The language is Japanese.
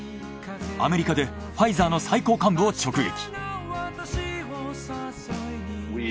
アメリカでファイザーの最高幹部を直撃。